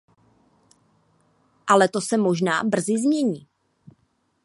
Ale to se možná brzy změní.